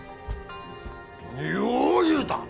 よう言うた！